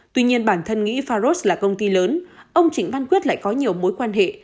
tuy nhiên bản thân nghĩ faros là công ty lớn ông trịnh văn quyết lại có nhiều mối quan hệ